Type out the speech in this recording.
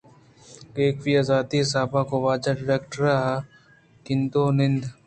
ایوک ءَ ذاتی حساب ءَ گوں واجہ ڈائریکٹر ءَ گندو نند مہ بیت